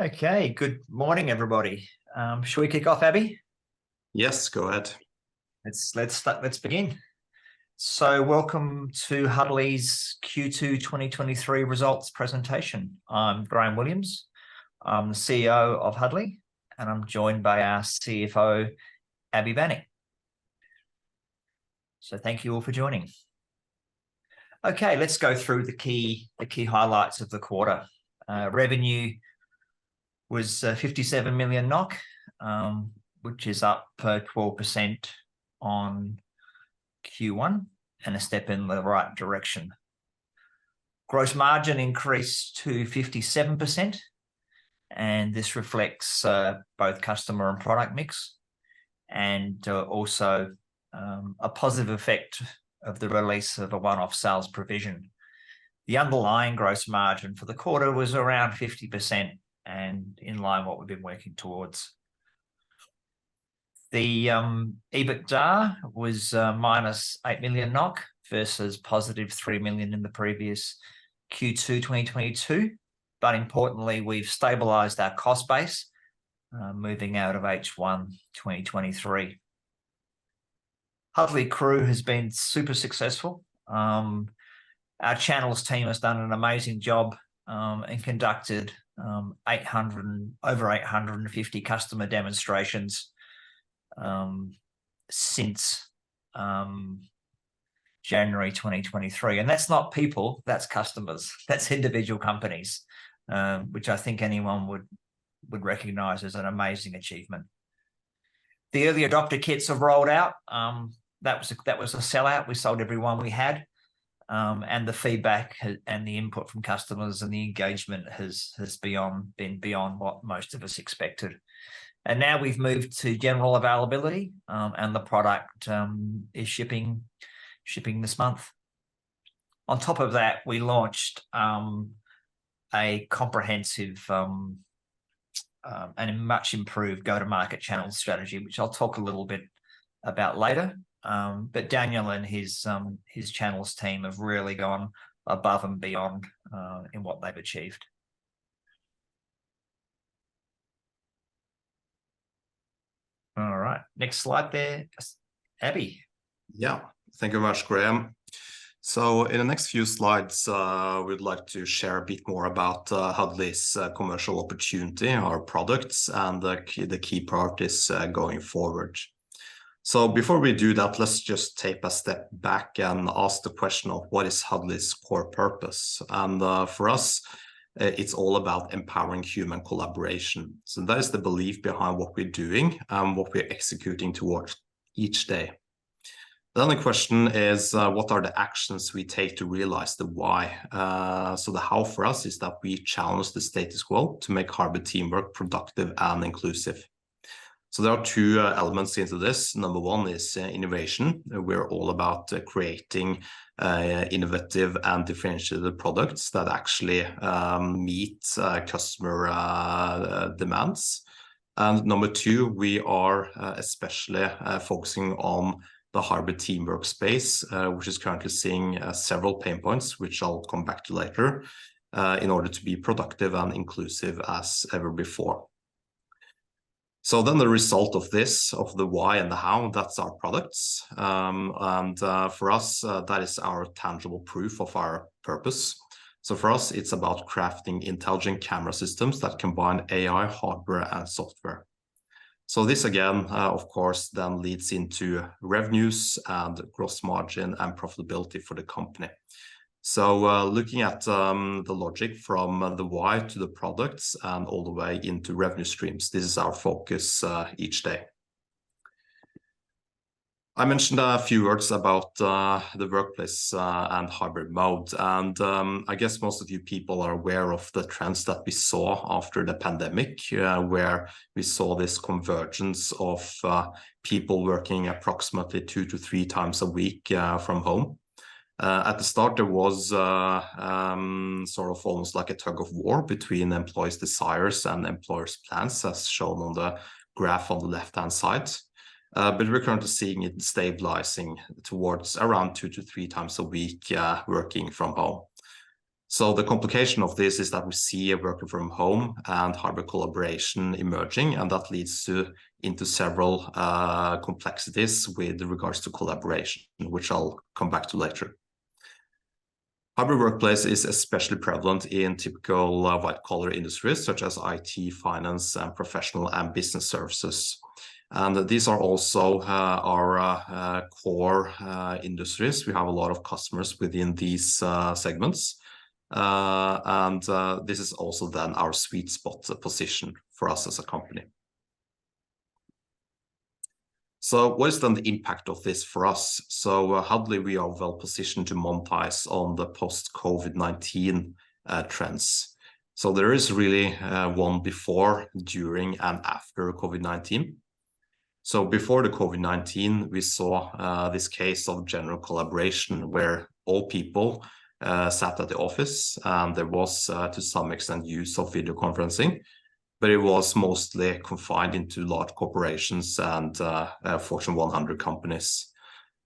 Okay, good morning, everybody. Shall we kick off, Abhijit? Yes, go ahead. Let's start. Let's begin. Welcome to Huddly's Q2 2023 results presentation. I'm Graham Williams. I'm the CEO of Huddly, and I'm joined by our CFO, Abhijit Banik. Thank you all for joining. Let's go through the key, the key highlights of the quarter. Revenue was 57 million NOK, which is up per 12% on Q1, and a step in the right direction. Gross margin increased to 57%, and this reflects both customer and product mix, and also a positive effect of the release of a one-off sales provision. The underlying gross margin for the quarter was around 50%, and in line what we've been working towards. The EBITDA was -8 million NOK, versus +3 million in the previous Q2 2022. Importantly, we've stabilized our cost base, moving out of H1 2023. Huddly Crew has been super successful. Our channels team has done an amazing job and conducted over 850 customer demonstrations since January 2023, and that's not people, that's customers. That's individual companies, which I think anyone would recognize as an amazing achievement. The early adopter kits have rolled out, that was a, that was a sell-out. We sold every one we had. And the feedback has, and the input from customers, and the engagement has been beyond what most of us expected. Now we've moved to general availability, and the product is shipping this month. On top of that, we launched a comprehensive and a much improved go-to-market channel strategy, which I'll talk a little bit about later. Daniel and his, his channels team have really gone above and beyond in what they've achieved. All right, next slide there, Abhijit. Yeah. Thank you very much, Graham. In the next few slides, we'd like to share a bit more about Huddly's commercial opportunity, our products, and the key, the key priorities going forward. Before we do that, let's just take a step back and ask the question of: What is Huddly's core purpose? For us, it's all about empowering human collaboration. That is the belief behind what we're doing and what we're executing towards each day. The only question is, what are the actions we take to realize the why? The how for us is that we challenge the status quo to make hybrid teamwork productive and inclusive. There are two elements into this. Number one is innovation. We're all about creating innovative and differentiated products that actually meet customer demands. Number two, we are especially focusing on the hybrid teamwork space, which is currently seeing several pain points, which I'll come back to later, in order to be productive and inclusive as ever before. Then the result of this, of the why and the how, that's our products. For us, that is our tangible proof of our purpose. For us, it's about crafting intelligent camera systems that combine AI, hardware, and software. This, again, of course, then leads into revenues and gross margin and profitability for the company. Looking at the logic from the why to the products, and all the way into revenue streams, this is our focus each day. I mentioned a few words about the workplace and hybrid mode, and I guess most of you people are aware of the trends that we saw after the pandemic, where we saw this convergence of people working approximately two to three times a week from home. At the start, there was sort of almost like a tug-of-war between employees' desires and employers' plans, as shown on the graph on the left-hand side. But we're currently seeing it stabilizing towards around two to three times a week working from home. The complication of this is that we see a working from home and hybrid collaboration emerging, and that leads to several complexities with regards to collaboration, which I'll come back to later. Hybrid workplace is especially prevalent in typical white-collar industries such as IT, finance, and professional and business services. These are also our core industries. We have a lot of customers within these segments. This is also then our sweet spot, a position for us as a company. What is then the impact of this for us? Huddly, we are well positioned to monetize on the post-COVID-19 trends. There is really one before, during, and after COVID-19. Before the COVID-19, we saw this case of general collaboration, where all people sat at the office, and there was to some extent, use of video conferencing. But it was mostly confined into large corporations and Fortune 100 companies.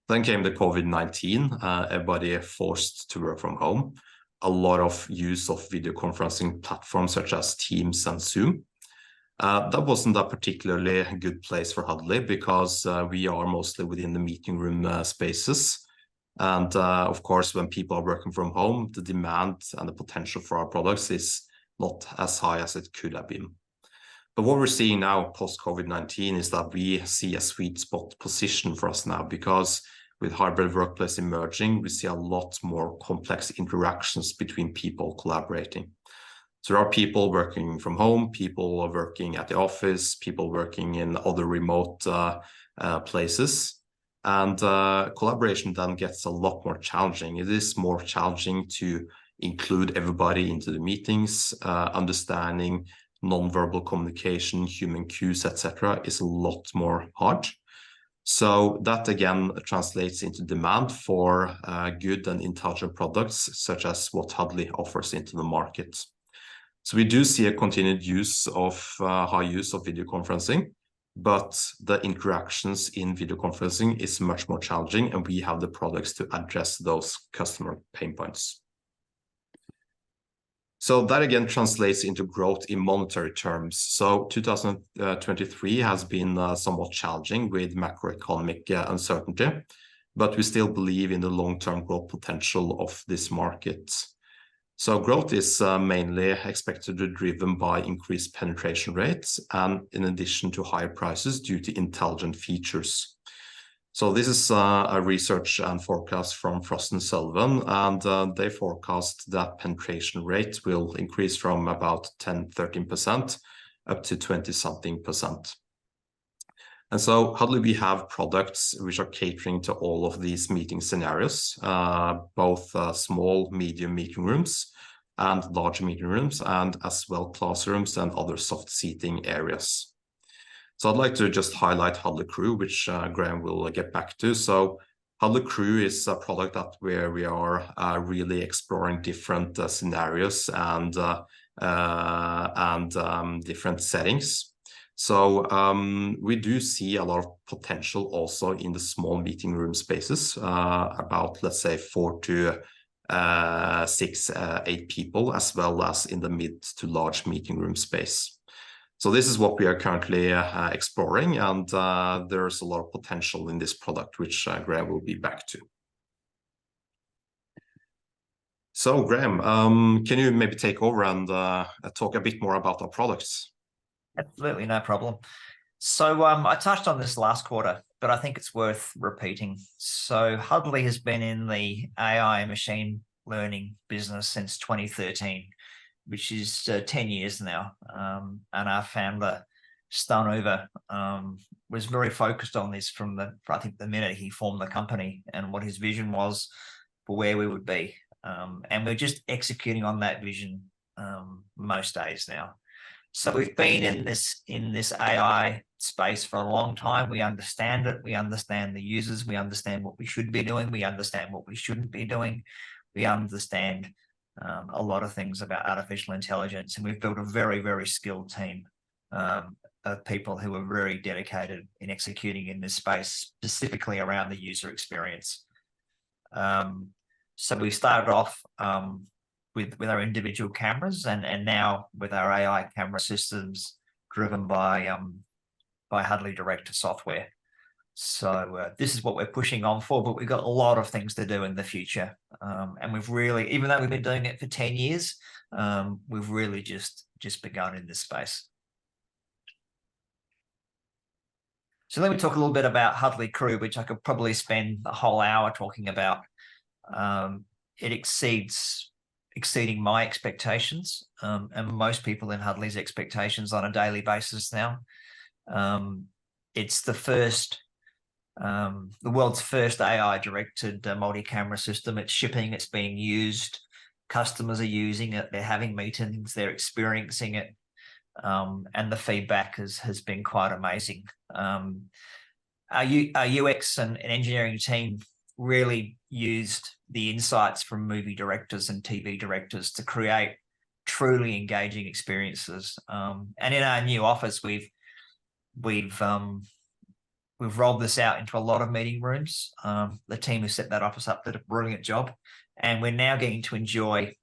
Came the COVID-19. Everybody forced to work from home. A lot of use of video conferencing platforms such as Teams and Zoom. That wasn't a particularly good place for Huddly because we are mostly within the meeting room spaces, and of course, when people are working from home, the demand and the potential for our products is not as high as it could have been. What we're seeing now, post-COVID-19, is that we see a sweet spot position for us now, because with hybrid workplace emerging, we see a lot more complex interactions between people collaborating. There are people working from home, people working at the office, people working in other remote places, and collaboration then gets a lot more challenging. It is more challenging to include everybody into the meetings. Understanding non-verbal communication, human cues, etc, is a lot more hard. That, again, translates into demand for good and intelligent products, such as what Huddly offers into the market. We do see a continued use of high use of video conferencing, but the interactions in video conferencing is much more challenging, and we have the products to address those customer pain points. That, again, translates into growth in monetary terms. 2023 has been somewhat challenging with macroeconomic uncertainty, but we still believe in the long-term growth potential of this market. Growth is mainly expected to be driven by increased penetration rates, and in addition to higher prices due to intelligent features. This is a research and forecast from Frost & Sullivan, and they forecast that penetration rates will increase from about 10%-13% up to 20-something%. Huddly, we have products which are catering to all of these meeting scenarios, both small, medium meeting rooms and large meeting rooms, and as well, classrooms and other soft seating areas. I'd like to just highlight Huddly Crew, which Graham will get back to. Huddly Crew is a product that where we are really exploring different scenarios and different settings. We do see a lot of potential also in the small meeting room spaces, about let's say four to six to eight people, as well as in the mid to large meeting room space. This is what we are currently exploring, and there's a lot of potential in this product, which Graham will be back to. Graham, can you maybe take over and talk a bit more about our products? Absolutely, no problem. I touched on this last quarter, but I think it's worth repeating. Huddly has been in the AI machine learning business since 2013, which is 10 years now. Our founder, Stein Ove, was very focused on this from the, I think the minute he formed the company, and what his vision was for where we would be. We're just executing on that vision, most days now. We've been in this- in this AI space for a long time. We understand it, we understand the users, we understand what we should be doing, we understand what we shouldn't be doing. We understand a lot of things about artificial intelligence, and we've built a very, very skilled team, of people who are very dedicated in executing in this space, specifically around the user experience. We started off with our individual cameras and now with our AI camera systems driven by Huddly Director software. This is what we're pushing on for, but we've got a lot of things to do in the future. We've really, even though we've been doing it for 10 years, we've really just begun in this space. Let me talk a little bit about Huddly Crew, which I could probably spend a whole hour talking about. Exceeding my expectations, and most people in Huddly's expectations on a daily basis now. It's the first, the world's first AI-directed multi-camera system. It's shipping, it's being used, customers are using it, they're having meetings, they're experiencing it. The feedback has been quite amazing. Our UX and engineering team really used the insights from movie directors and TV directors to create truly engaging experiences. In our new office, we've rolled this out into a lot of meeting rooms. The team who set that office up did a brilliant job, and we're now getting to enjoy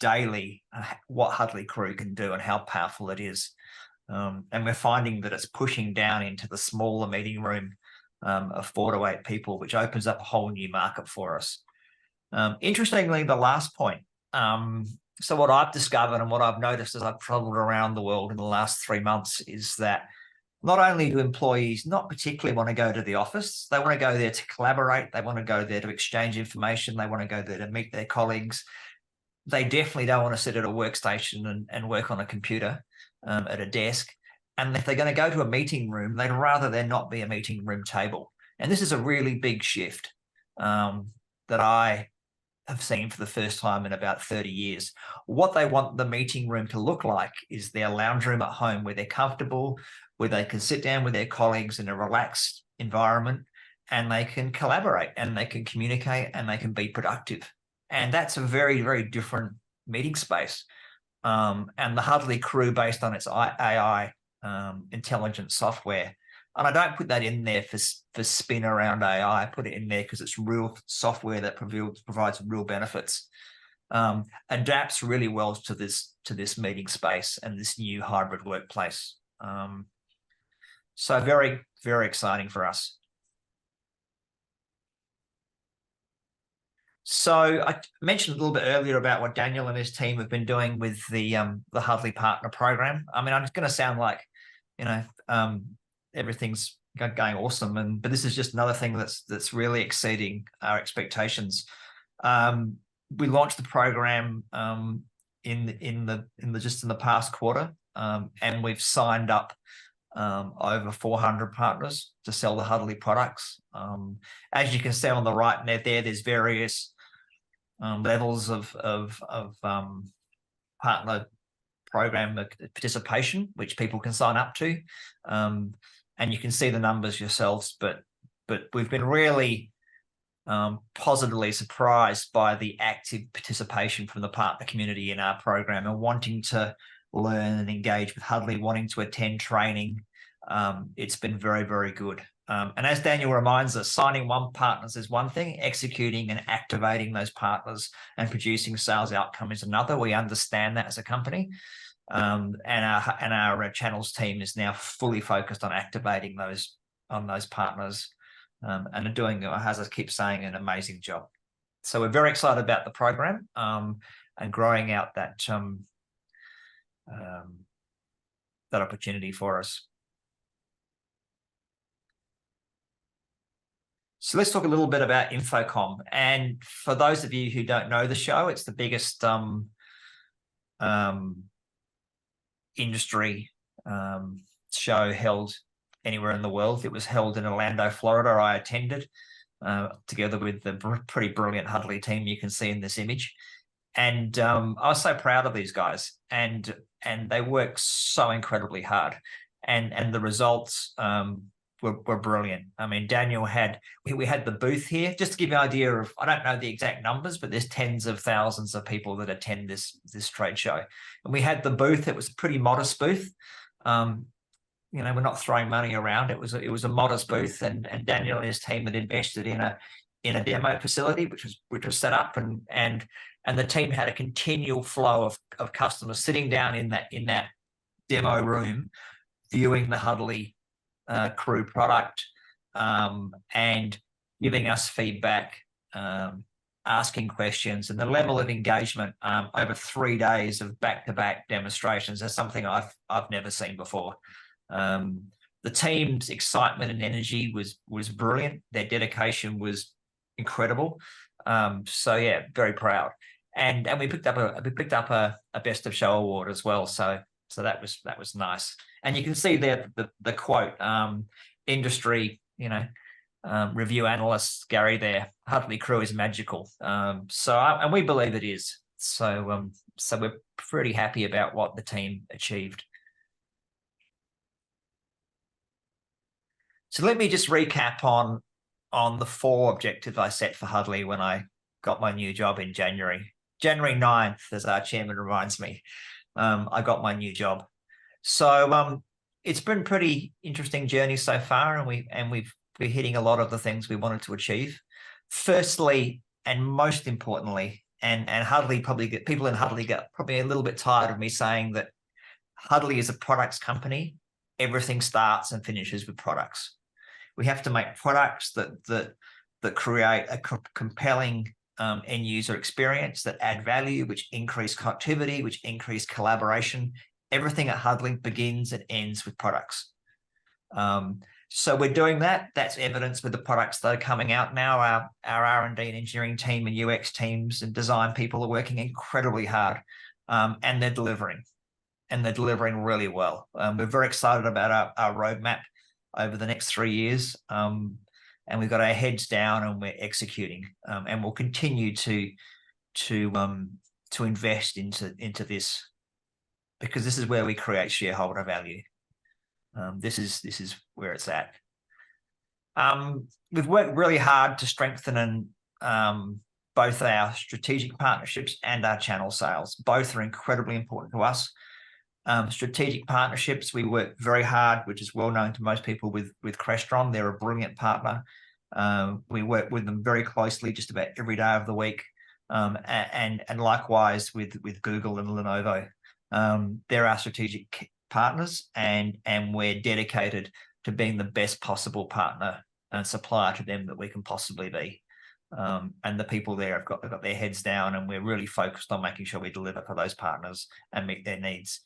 daily what Huddly Crew can do and how powerful it is. We're finding that it's pushing down into the smaller meeting room of four, eight people, which opens up a whole new market for us. Interestingly, the last point, so what I've discovered and what I've noticed as I've traveled around the world in the last three months, is that not only do employees not particularly want to go to the office, they want to go there to collaborate, they want to go there to exchange information, they want to go there to meet their colleagues. They definitely don't want to sit at a workstation and work on a computer at a desk. If they're gonna go to a meeting room, they'd rather there not be a meeting room table. This is a really big shift that I have seen for the first time in about 30 years. What they want the meeting room to look like is their lounge room at home, where they're comfortable, where they can sit down with their colleagues in a relaxed environment, and they can collaborate, and they can communicate, and they can be productive. That's a very, very different meeting space. The Huddly Crew, based on its AI intelligence software, and I don't put that in there for spin around AI, I put it in there 'cause it's real software that provides real benefits, adapts really well to this, to this meeting space and this new hybrid workplace. Very, very exciting for us. I mentioned a little bit earlier about what Daniel and his team have been doing with the Huddly Partner Program. I mean, I'm just gonna sound like, you know, everything's going awesome and, but this is just another thing that's really exceeding our expectations. We launched the program just in the past quarter, we've signed up over 400 partners to sell the Huddly products. As you can see on the right there, there's various levels of Partner Program participation, which people can sign up to. You can see the numbers yourselves, but we've been really positively surprised by the active participation from the partner community in our program and wanting to learn and engage with Huddly, wanting to attend training. It's been very, very good. As Daniel reminds us, signing one partners is one thing, executing and activating those partners and producing sales outcome is another. We understand that as a company, our channels team is now fully focused on activating those, on those partners, are doing, as I keep saying, an amazing job. We're very excited about the program, and growing out that opportunity for us. Let's talk a little bit about InfoComm. For those of you who don't know the show, it's the biggest industry show held anywhere in the world. It was held in Orlando, Florida. I attended, together with the pretty brilliant Huddly team you can see in this image. I was so proud of these guys, and they worked so incredibly hard, and the results were brilliant. I mean, Daniel had. We, we had the booth here. Just to give you an idea of, I don't know the exact numbers, but there's tens of thousands of people that attend this, this trade show. We had the booth, it was a pretty modest booth. You know, we're not throwing money around, it was a, it was a modest booth, and Daniel and his team had invested in a, in a demo facility, which was, which was set up and the team had a continual flow of customers sitting down in that, in that demo room, viewing the Huddly Crew product, and giving us feedback, asking questions. The level of engagement over three days of back-to-back demonstrations is something I've, I've never seen before. The team's excitement and energy was, was brilliant. Their dedication was incredible. Yeah, very proud. We picked up a, we picked up a, a Best of Show award as well, so, so that was, that was nice. You can see there the, the, the quote, industry, you know, review analyst, Gary there, "Huddly Crew is magical." We believe it is. We're pretty happy about what the team achieved. Let me just recap on, on the four objectives I set for Huddly when I got my new job in January. January 9th, as our chairman reminds me, I got my new job. It's been pretty interesting journey so far, and we've been hitting a lot of the things we wanted to achieve. Firstly, and most importantly, Huddly probably, people in Huddly get probably a little bit tired of me saying that Huddly is a products company, everything starts and finishes with products. We have to make products that, that, that create a compelling end-user experience, that add value, which increase productivity, which increase collaboration. Everything at Huddly begins and ends with products. We're doing that. That's evidenced with the products that are coming out now. Our R&D and engineering team and UX teams and design people are working incredibly hard, and they're delivering, and they're delivering really well. We're very excited about our, our roadmap over the next three years, and we've got our heads down and we're executing. We'll continue to, to invest into, into this, because this is where we create shareholder value. This is, this is where it's at. We've worked really hard to strengthen and both our strategic partnerships and our channel sales. Both are incredibly important to us. Strategic partnerships, we work very hard, which is well known to most people with Crestron. They're a brilliant partner. We work with them very closely just about every day of the week. Likewise with Google and Lenovo. They're our strategic partners, and we're dedicated to being the best possible partner and supplier to them that we can possibly be. The people there, they've got their heads down, and we're really focused on making sure we deliver for those partners and meet their needs.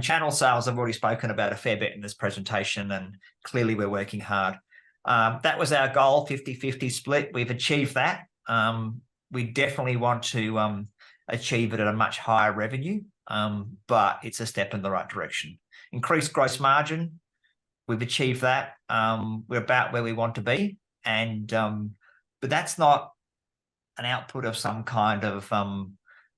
Channel sales, I've already spoken about a fair bit in this presentation, and clearly we're working hard. That was our goal, 50/50 split. We've achieved that. We definitely want to achieve it at a much higher revenue, but it's a step in the right direction. Increased gross margin, we've achieved that. We're about where we want to be, and, but that's not an output of some kind of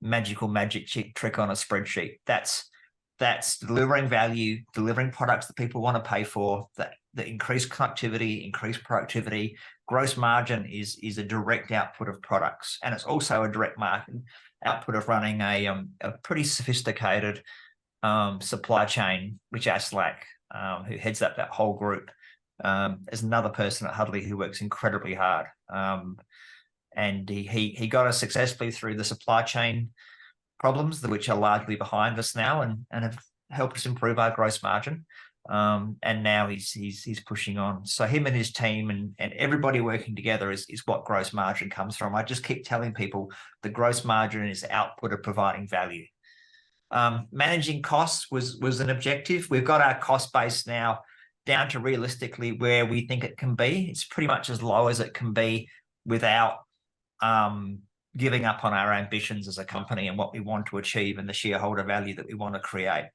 magical magic trick on a spreadsheet. That's delivering value, delivering products that people want to pay for, that, that increase connectivity, increase productivity. Gross margin is, is a direct output of products, and it's also a direct marketing output of running a pretty sophisticated supply chain, which Aslak, who heads up that whole group, is another person at Huddly who works incredibly hard. He, he, he got us successfully through the supply chain problems, which are largely behind us now and, and have helped us improve our gross margin. Now he's, he's, he's pushing on. Him and his team and, and everybody working together is, is what gross margin comes from. I just keep telling people the gross margin is the output of providing value. Managing costs was, was an objective. We've got our cost base now down to realistically where we think it can be. It's pretty much as low as it can be without, giving up on our ambitions as a company and what we want to achieve and the shareholder value that we want to create.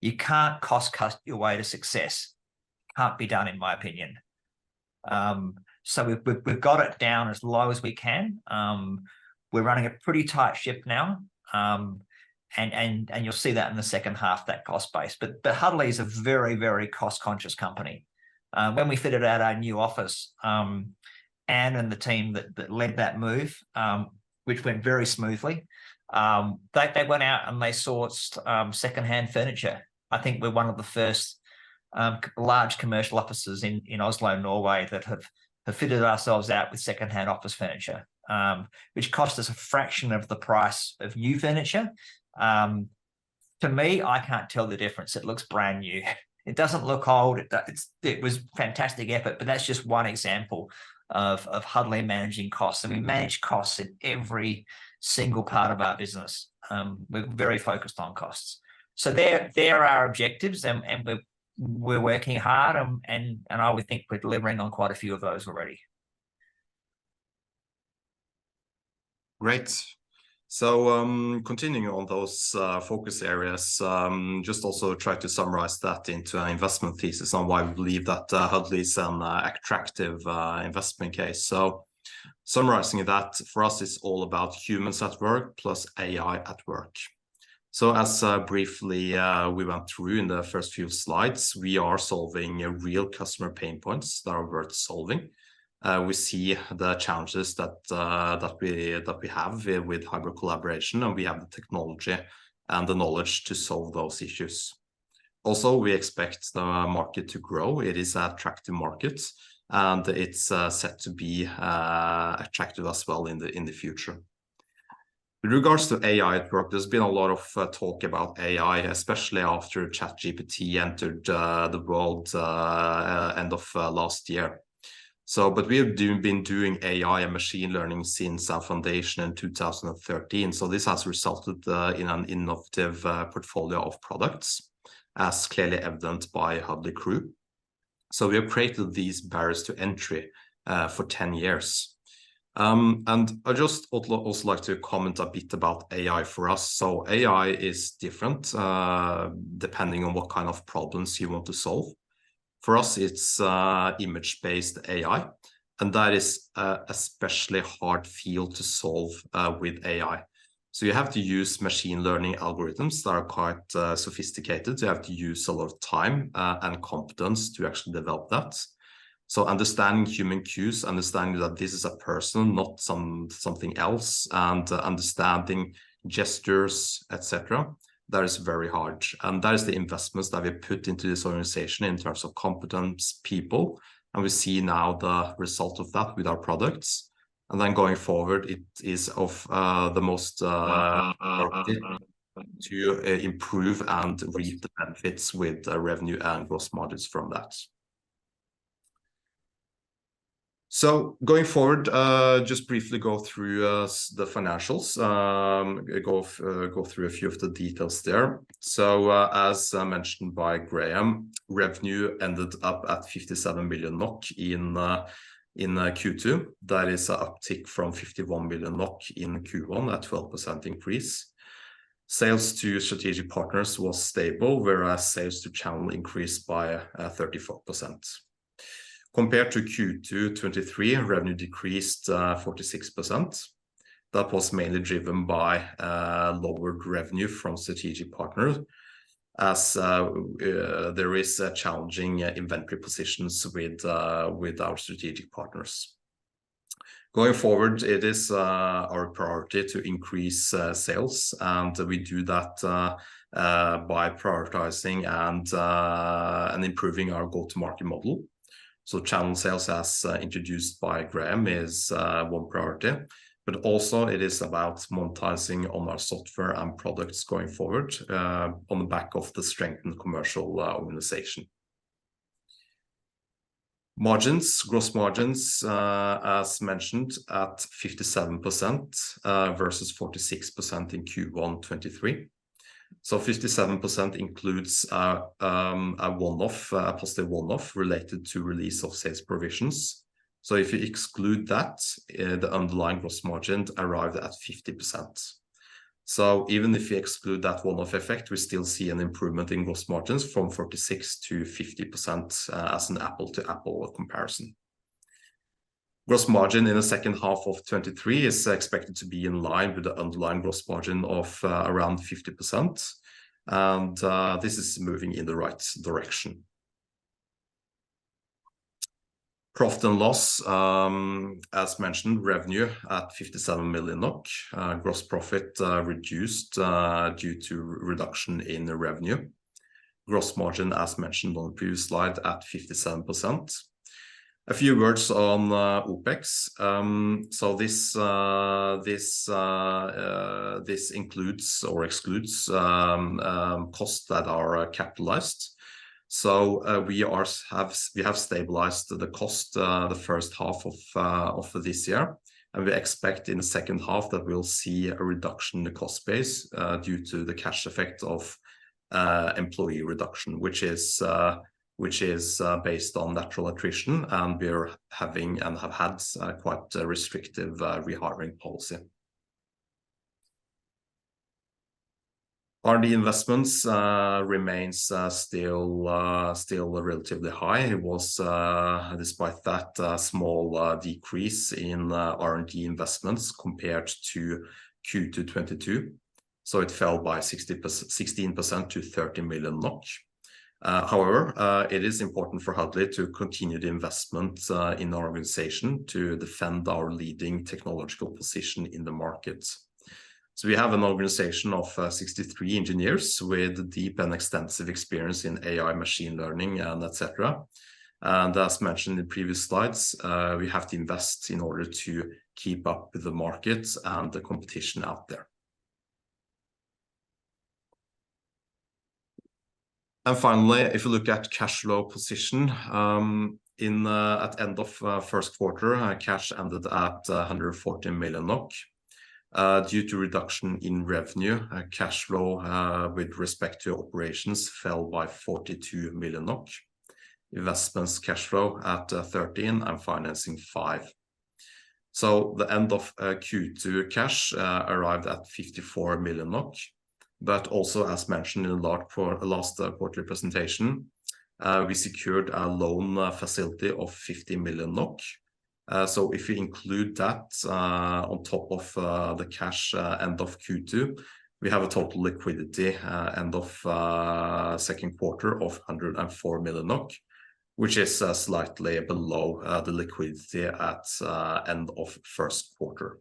You can't cost-cut your way to success. Can't be done, in my opinion. We've, we've, we've got it down as low as we can. We're running a pretty tight ship now, and, and, and you'll see that in the second half, that cost base. Huddly is a very, very cost-conscious company. When we fitted out our new office, Anne and the team that, that led that move, which went very smoothly, they, they went out, and they sourced, second-hand furniture. I think we're one of the first, large commercial offices in, in Oslo, Norway, that have fitted ourselves out with second-hand office furniture, which cost us a fraction of the price of new furniture. To me, I can't tell the difference. It looks brand new. It doesn't look old. It was fantastic effort, but that's just one example of, of Huddly managing costs, and we manage costs in every single part of our business. We're very focused on costs. They're, they're our objectives, and, and we're, we're working hard, and, and I would think we're delivering on quite a few of those already. Great. continuing on those focus areas, just also try to summarize that into an investment thesis on why we believe that Huddly is an attractive investment case. Summarizing that, for us, it's all about humans at work plus AI at work. As briefly, we went through in the first few slides, we are solving real customer pain points that are worth solving. We see the challenges that that we, that we have with hybrid collaboration, and we have the technology and the knowledge to solve those issues. Also, we expect the market to grow. It is an attractive market, and it's set to be attractive as well in the future. In regards to AI at work, there's been a lot of talk about AI, especially after ChatGPT entered the world end of last year. But we have doing, been doing AI and machine learning since our foundation in 2013, so this has resulted in an innovative portfolio of products, as clearly evident by Huddly Crew. We have created these barriers to entry for 10 years. I'd just also, also like to comment a bit about AI for us. AI is different depending on what kind of problems you want to solve. For us, it's image-based AI, and that is a, a especially hard field to solve with AI. You have to use machine learning algorithms that are quite sophisticated. You have to use a lot of time and competence to actually develop that. Understanding human cues, understanding that this is a person, not something else, and understanding gestures, et cetera, that is very hard, and that is the investments that we put into this organization in terms of competence, people, and we see now the result of that with our products. Going forward, it is of the most to improve and reap the benefits with the revenue and gross margins from that. Going forward, just briefly go through the financials. Go through a few of the details there. As mentioned by Graham, revenue ended up at 57 billion NOK in Q2. That is a uptick from 51 billion NOK in Q1, a 12% increase. Sales to strategic partners was stable, whereas sales to channel increased by 34%. Compared to Q2 '23, revenue decreased 46%. That was mainly driven by lower revenue from strategic partners, as there is challenging inventory positions with our strategic partners. Going forward, it is our priority to increase sales, and we do that by prioritizing and improving our go-to-market model. Channel sales, as introduced by Graham, is one priority, but also it is about monetizing on our software and products going forward on the back of the strengthened commercial organization. Margins, gross margins, as mentioned, at 57% versus 46% in Q1 2023. 57% includes a one-off, positive one-off related to release of sales provisions. If you exclude that, the underlying gross margin arrived at 50%. Even if you exclude that one-off effect, we still see an improvement in gross margins from 46%-50%, as an apple-to-apple comparison. gross margin in the second half of 2023 is expected to be in line with the underlying gross margin of around 50%, and this is moving in the right direction. Profit and loss, as mentioned, revenue at 57 million NOK. Gross profit reduced due to reduction in the revenue. Gross margin, as mentioned on the previous slide, at 57%. A few words on OpEx. this, this includes or excludes costs that are capitalized. We have stabilized the cost the first half of this year, and we expect in the second half that we'll see a reduction in the cost base due to the cash effect of employee reduction, which is based on natural attrition, and we are having and have had quite a restrictive re-hiring policy. R&D investments remains still relatively high. It was despite that small decrease in R&D investments compared to Q2 2022, so it fell by 60%, 16% to 30 million NOK. However, it is important for Huddly to continue the investment in our organization to defend our leading technological position in the market. We have an organization of 63 engineers with deep and extensive experience in AI, machine learning, and et cetera. As mentioned in previous slides, we have to invest in order to keep up with the market and the competition out there. Finally, if you look at cash flow position, at end of first quarter, cash ended at 140 million NOK. Due to reduction in revenue, cash flow with respect to operations, fell by 42 million NOK. Investments cash flow at 13 million, and financing, 5 million. The end of Q2 cash arrived at 54 million NOK, but also, as mentioned in the last quarterly presentation, we secured a loan facility of 50 million NOK. If you include that, on top of, the cash, end of Q2, we have a total liquidity, end of, second quarter of 104 million NOK, which is, slightly below, the liquidity at, end of first quarter.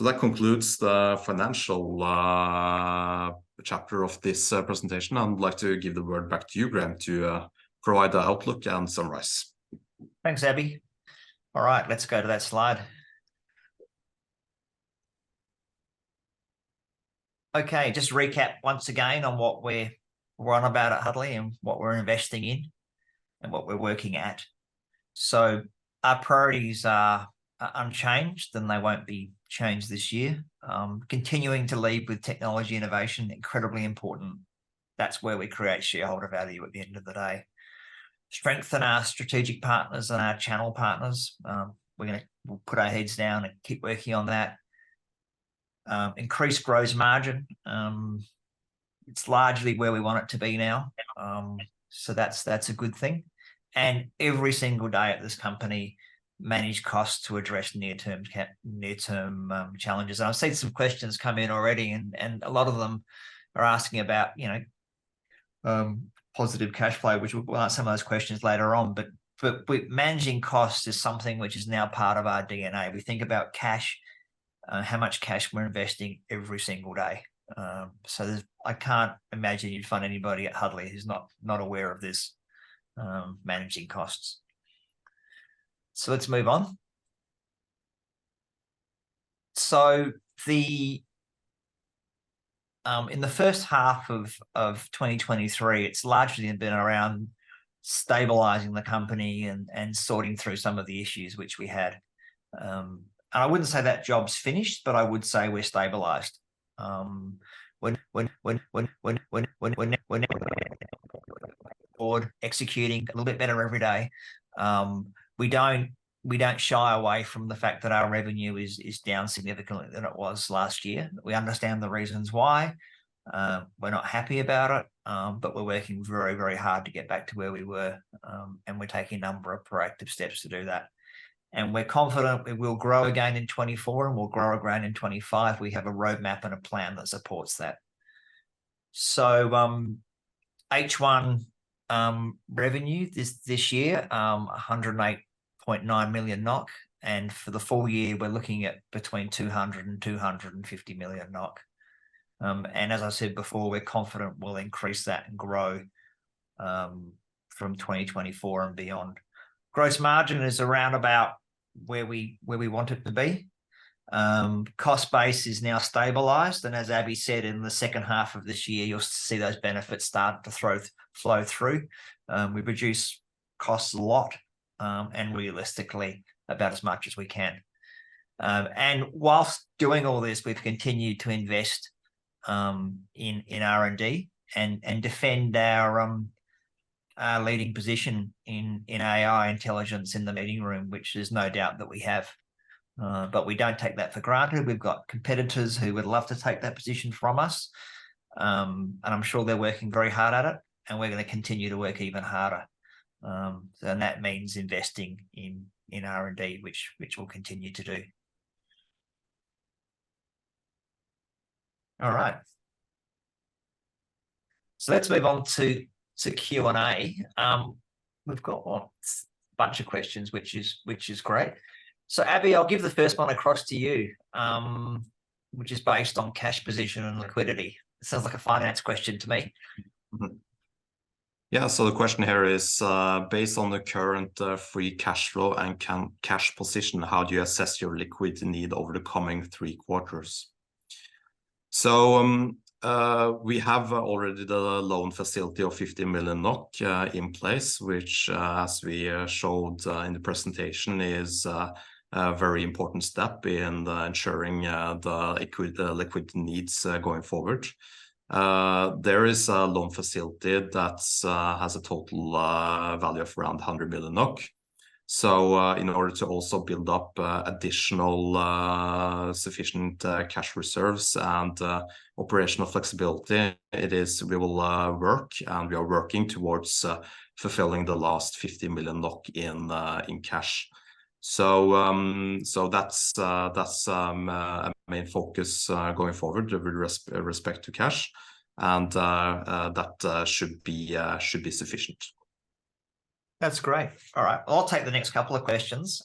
That concludes the financial, chapter of this, presentation. I would like to give the word back to you, Graham, to, provide the outlook and summarize. Thanks, Abhijit. All right, let's go to that slide. Just recap once again on what we're on about at Huddly and what we're investing in and what we're working at. Our priorities are unchanged, and they won't be changed this year. Continuing to lead with technology innovation, incredibly important. That's where we create shareholder value at the end of the day. Strengthen our strategic partners and our channel partners. We're gonna, we'll put our heads down and keep working on that. Increase gross margin. It's largely where we want it to be now, that's, that's a good thing. Every single day at this company, manage costs to address near-term near-term challenges. I've seen some questions come in already, a lot of them are asking about, you know, positive cash flow, which we'll answer some of those questions later on. Managing costs is something which is now part of our DNA. We think about cash, how much cash we're investing every single day. I can't imagine you'd find anybody at Huddly who's not, not aware of this, managing costs. Let's move on. In the first half of 2023, it's largely been around stabilizing the company and sorting through some of the issues which we had. I wouldn't say that job's finished, but I would say we're stabilized. We're executing a little bit better every day. We don't, we don't shy away from the fact that our revenue is, is down significantly than it was last year. We understand the reasons why. We're not happy about it, but we're working very, very hard to get back to where we were. We're taking a number of proactive steps to do that. We're confident we will grow again in 2024, and we'll grow again in 2025. We have a roadmap and a plan that supports that. H1 revenue this, this year, 108.9 million NOK, and for the full-year, we're looking at between 200 million NOK and 250 million NOK. As I said before, we're confident we'll increase that and grow from 2024 and beyond. Gross margin is around about where we, where we want it to be. Cost base is now stabilized, and as Abhijit said, in the second half of this year, you'll see those benefits start to flow through. We've reduced costs a lot, and realistically, about as much as we can. Whilst doing all this, we've continued to invest in R&D and defend our leading position in AI intelligence in the meeting room, which there's no doubt that we have. We don't take that for granted. We've got competitors who would love to take that position from us, and I'm sure they're working very hard at it, and we're gonna continue to work even harder. That means investing in R&D, which we'll continue to do. All right. Let's move on to Q&A. We've got a bunch of questions, which is, which is great. Abhijit, I'll give the first one across to you, which is based on cash position and liquidity. Sounds like a finance question to me. Mm-hmm. Yeah, the question here is, based on the current free cash flow and current cash position, how do you assess your liquidity need over the coming three quarters? We have already the loan facility of 50 million NOK in place, which, as we showed in the presentation, is a very important step in ensuring the liquidity needs going forward. There is a loan facility that's has a total value of around 100 million NOK. In order to also build up additional sufficient cash reserves and operational flexibility, we will work, and we are working towards fulfilling the last 50 million NOK in cash. That's my main focus going forward with respect to cash, and that should be sufficient. That's great. All right, I'll take the next couple of questions.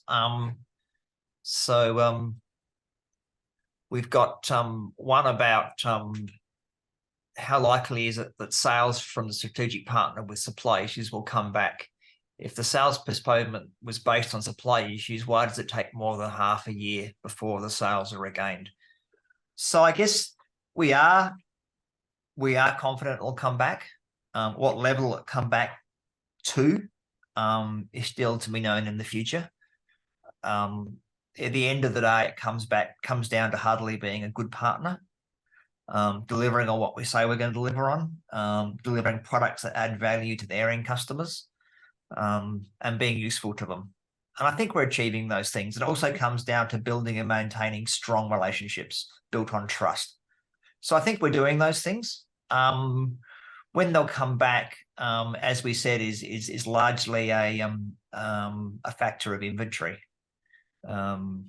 We've got one about how likely is it that sales from the strategic partner with supply issues will come back? If the sales postponement was based on supply issues, why does it take more than half a year before the sales are regained? I guess we are, we are confident it'll come back. What level it come back to is still to be known in the future. At the end of the day, it comes back- comes down to Huddly being a good partner, delivering on what we say we're gonna deliver on, delivering products that add value to their end customers, and being useful to them, and I think we're achieving those things. It also comes down to building and maintaining strong relationships built on trust. I think we're doing those things. When they'll come back, as we said, is, is, is largely a factor of inventory. It'll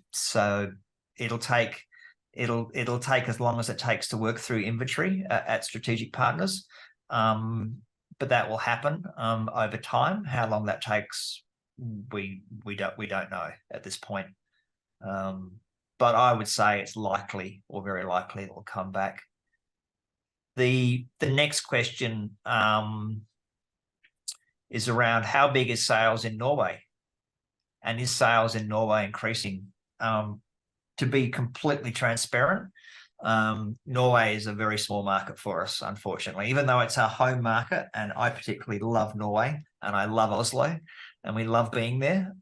take, it'll, it'll take as long as it takes to work through inventory at, at strategic partners. That will happen over time. How long that takes, we, we don't, we don't know at this point. I would say it's likely, or very likely, it will come back. The, the next question is around how big is sales in Norway, and is sales in Norway increasing? To be completely transparent, Norway is a very small market for us, unfortunately. Even though it's our home market, and I particularly love Norway, and I love Oslo, and we love being there,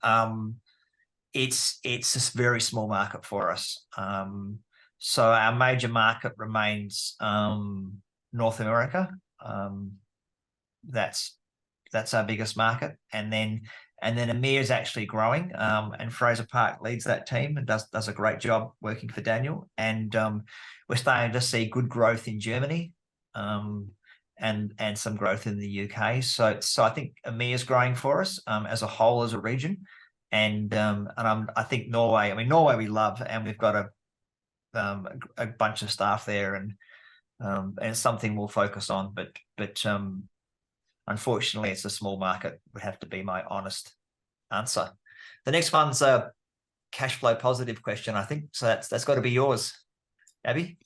it's, it's a very small market for us. Our major market remains North America. That's our biggest market, and then EMEA is actually growing, and Fraser Park leads that team and does a great job working for Daniel. We're starting to see good growth in Germany, and some growth in the UK. I think EMEA is growing for us, as a whole, as a region, and I think Norway, I mean, Norway, we love, and we've got a bunch of staff there, and something we'll focus on, but, unfortunately, it's a small market, would have to be my honest answer. The next one's a cash flow positive question, I think, so that's got to be yours, Abhijit.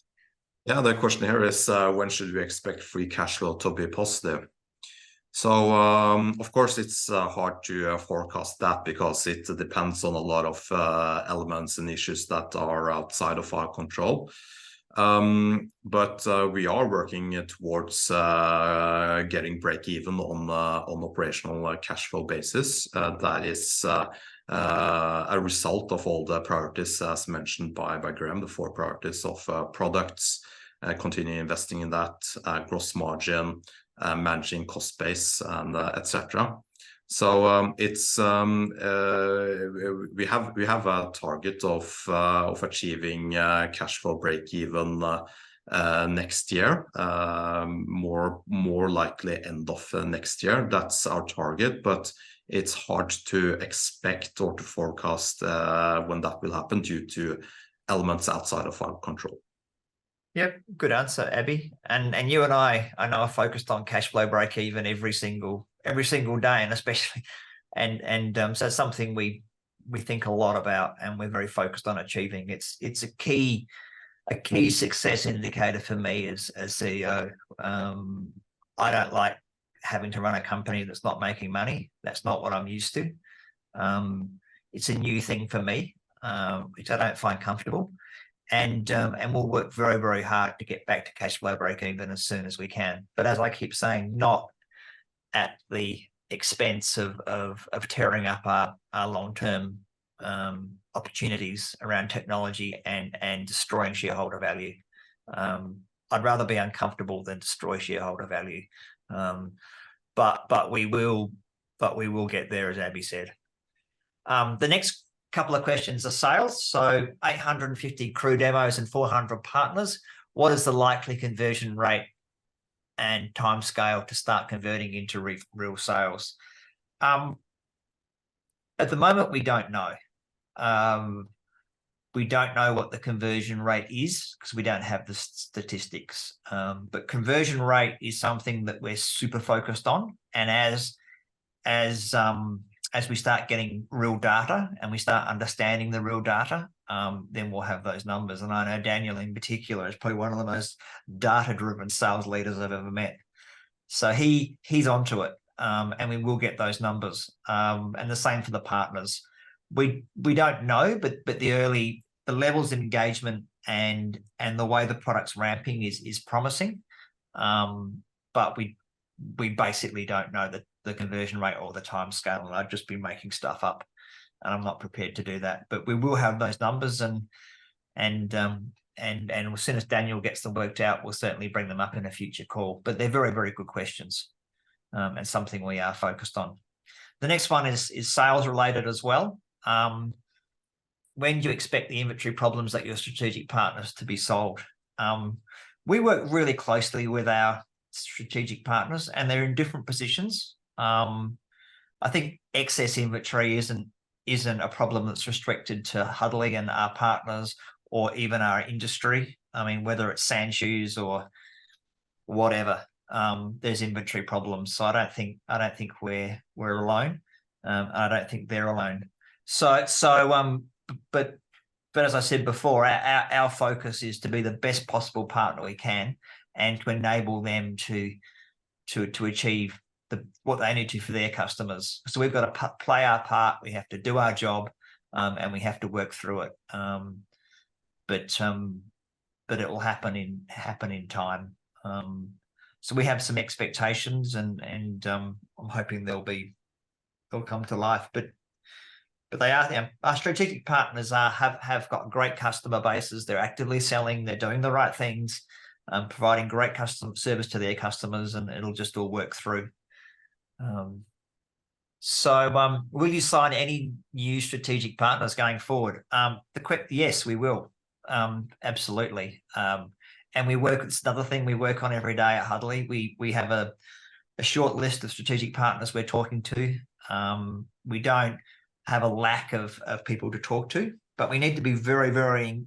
Yeah, the question here is: "When should we expect free cash flow to be positive?" Of course, it's hard to forecast that because it depends on a lot of elements and issues that are outside of our control. We are working towards getting break even on the operational cash flow basis. That is a result of all the priorities, as mentioned by Graham, the four priorities of products, continuing investing in that, gross margin, managing cost base, and etc. We have a target of achieving cash flow break even next year. More likely end of next year. That's our target, but it's hard to expect or to forecast, when that will happen due to elements outside of our control. Yep. Good answer, Abhijit. You and I, I know, are focused on cash flow break even every single, every single day, and especially it's something we think a lot about and we're very focused on achieving. It's a key, a key success indicator for me as CEO. I don't like having to run a company that's not making money. That's not what I'm used to. It's a new thing for me, which I don't find comfortable, and we'll work very, very hard to get back to cash flow break even as soon as we can. As I keep saying, not at the expense of, of, of tearing up our, our long-term opportunities around technology and destroying shareholder value. I'd rather be uncomfortable than destroy shareholder value. We will, but we will get there, as Abhijit said. The next couple of questions are sales. "850 crew demos and 400 partners. What is the likely conversion rate, and timescale to start converting into real sales?" At the moment, we don't know. We don't know what the conversion rate is, 'cause we don't have the statistics. Conversion rate is something that we're super focused on, and as, as we start getting real data, and we start understanding the real data, then we'll have those numbers. I know Daniel, in particular, is probably one of the most data-driven sales leaders I've ever met. He, he's onto it. We will get those numbers. The same for the partners. We, we don't know, but, but the early- the levels of engagement and, and the way the product's ramping is, is promising. We, we basically don't know the, the conversion rate or the timescale, and I've just been making stuff up, and I'm not prepared to do that. We will have those numbers, and, and, and, as soon as Daniel gets them worked out, we'll certainly bring them up in a future call. They're very, very good questions, and something we are focused on. The next one is, is sales-related as well. When do you expect the inventory problems at your strategic partners to be solved? We work really closely with our strategic partners, and they're in different positions. I think excess inventory isn't, isn't a problem that's restricted to Huddly and our partners or even our industry. I mean, whether it's sand shoes or whatever, there's inventory problems. I don't think, I don't think we're, we're alone. I don't think they're alone. As I said before, our, our, our focus is to be the best possible partner we can and to enable them to, to, to achieve the, what they need to for their customers. We've got to play our part, we have to do our job, and we have to work through it. It will happen in, happen in time. We have some expectations, and I'm hoping they'll come to life. They are. Our strategic partners are, have, have got great customer bases. They're actively selling, they're doing the right things, providing great customer service to their customers, and it'll just all work through. Will you sign any new strategic partners going forward? The quick yes, we will. Absolutely. We work, it's another thing we work on every day at Huddly. We have a short list of strategic partners we're talking to. We don't have a lack of, of people to talk to, but we need to be very, very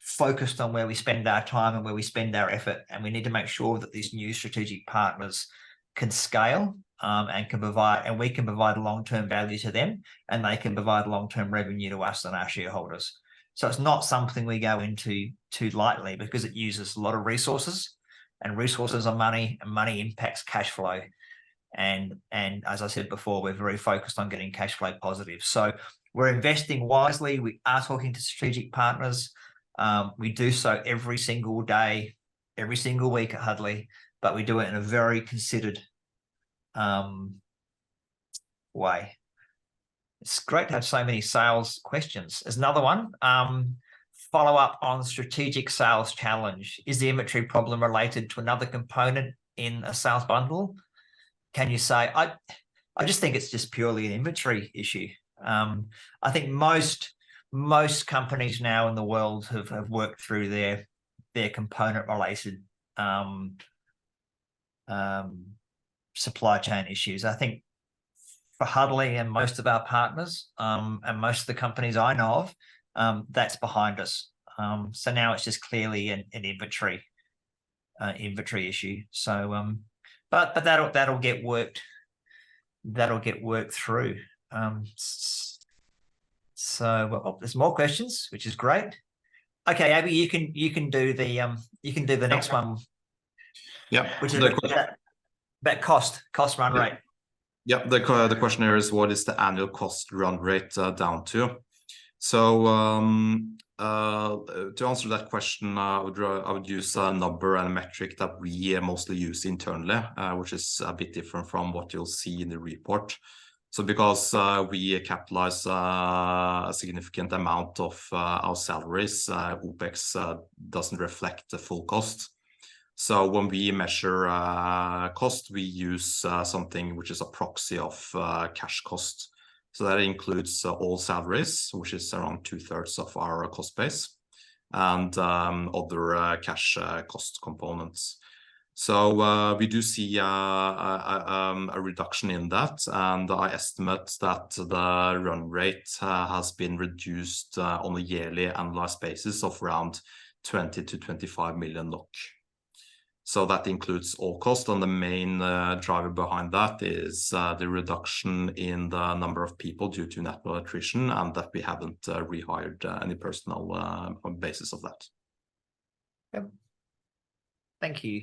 focused on where we spend our time and where we spend our effort, and we need to make sure that these new strategic partners can scale and can provide. We can provide long-term value to them, and they can provide long-term revenue to us and our shareholders. It's not something we go into too lightly, because it uses a lot of resources, and resources are money, and money impacts cash flow. As I said before, we're very focused on getting cash flow positive. We're investing wisely. We are talking to strategic partners. We do so every single day, every single week at Huddly, but we do it in a very considered way. It's great to have so many sales questions. Here's another one: Follow-up on strategic sales challenge. Is the inventory problem related to another component in a sales bundle? Can you say., I just think it's just purely an inventory issue. I think most, most companies now in the world have, have worked through their, their component-related supply chain issues. I think for Huddly and most of our partners, and most of the companies I know of, that's behind us. Now it's just clearly an inventory issue. That'll get worked through. There's more questions, which is great. Okay, Abhijit, you can do the next one. Okay. Yep. Which is the cost, that cost, cost run rate. The question here is, "What is the annual cost run rate down to?" To answer that question, I would, I would use a number and a metric that we mostly use internally, which is a bit different from what you'll see in the report. Because we capitalize a significant amount of our salaries, OpEx doesn't reflect the full cost. When we measure cost, we use something which is a proxy of cash cost. That includes all salaries, which is around two-thirds of our cost base, and other cash cost components. We do see a reduction in that, and I estimate that the run rate has been reduced on a yearly annualized basis of around 20 million-25 million NOK. That includes all cost, and the main driver behind that is the reduction in the number of people due to natural attrition, and that we haven't rehired any personnel on basis of that. Yep. Thank you.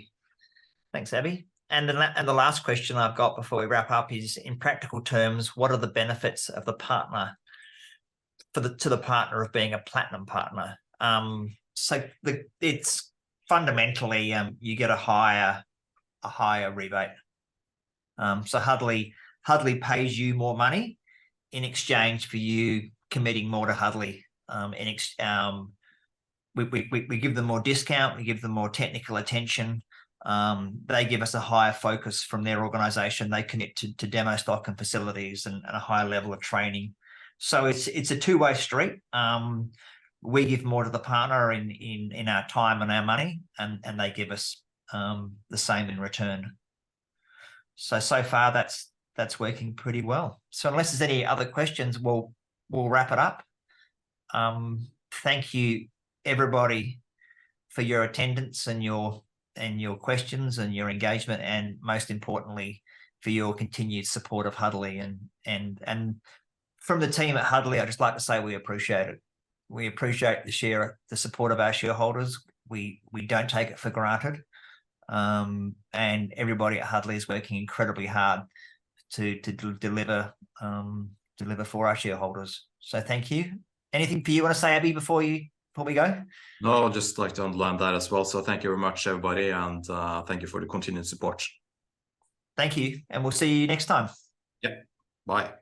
Thanks, Abhijit. The last question I've got before we wrap up is: "In practical terms, what are the benefits of the partner, for the, to the partner of being a Platinum Partner?" The, it's fundamentally, you get a higher, a higher rebate. Huddly pays you more money in exchange for you committing more to Huddly. We give them more discount, we give them more technical attention. They give us a higher focus from their organization. They commit to demo stock and facilities and, and a higher level of training. It's, it's a two-way street. We give more to the partner in our time and our money, and, and they give us the same in return. So far, that's, that's working pretty well. Unless there's any other questions, we'll, we'll wrap it up. Thank you, everybody, for your attendance and your, and your questions and your engagement, and most importantly, for your continued support of Huddly. From the team at Huddly, I'd just like to say we appreciate it. We appreciate the support of our shareholders. We, we don't take it for granted. Everybody at Huddly is working incredibly hard to deliver, deliver for our shareholders. Thank you. Anything for you you want to say, Abhijit, before you, before we go? No, I'd just like to underline that as well. Thank you very much, everybody, and thank you for the continued support. Thank you, and we'll see you next time. Yep. Bye. Bye.